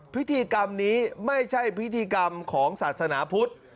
พิธีกรรมนี้ไม่ใช่พิธีกรรมของศาสนาพุทธ